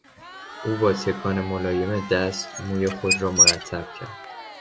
او با تکان ملایم دست موی خود را مرتب کرد.